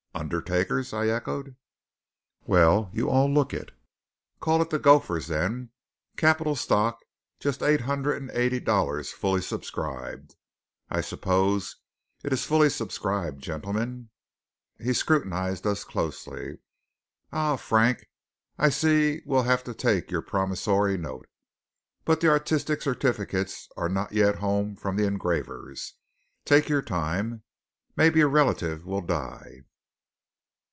"Undertakers?" I echoed. "Well, you all look it. Call it the Gophers, then. Capital stock just eight hundred and eighty dollars, fully subscribed. I suppose it is fully subscribed, gentlemen?" He scrutinized us closely. "Ah, Frank! I see we'll have to take your promissory note. But the artistic certificates are not yet home from the engravers. Take your time. Maybe a relative will die."